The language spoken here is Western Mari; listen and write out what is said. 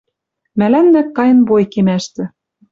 Мӓлӓннӓ кайын бой кемӓштӹ.